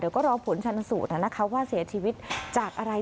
เดี๋ยวก็รอผลชนสูตรนะครับว่าเสียชีวิตจากอะไร